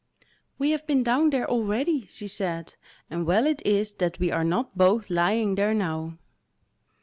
"We have been down there already," she said, "and well it is that we are not both lying there now."